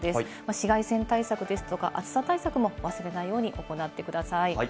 紫外線対策、暑さ対策も忘れないように行ってください。